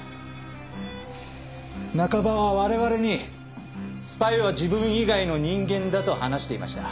中葉は我々にスパイは自分以外の人間だと話していました。